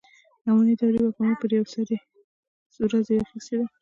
اماني دورې واکمني پر یوې سرې ورځې اخیستې ده.